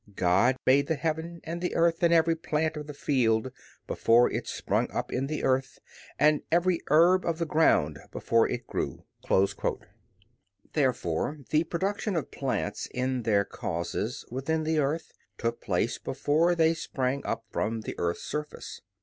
. God made the heaven and the earth, and every plant of the field before it sprung up in the earth, and every herb of the ground before it grew." Therefore, the production of plants in their causes, within the earth, took place before they sprang up from the earth's surface.